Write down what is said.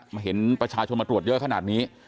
มาเห็นประชาชนมาตรวจเยอะขนาดนี้